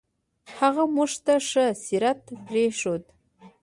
هغه موږ ته ښه سیرت پرېښود.